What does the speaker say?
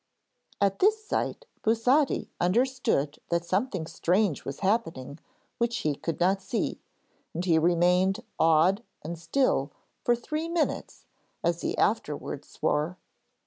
At this sight Busotti understood that something strange was happening which he could not see, and he remained awed and still for three minutes, as he afterwards swore.